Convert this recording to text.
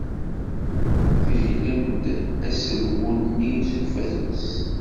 Teglem-d asehwu-nni s ufatus.